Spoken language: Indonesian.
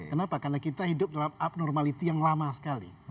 kenapa karena kita hidup dalam abnormality yang lama sekali